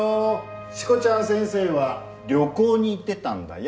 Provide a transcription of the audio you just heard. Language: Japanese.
しこちゃん先生は旅行に行ってたんだよ。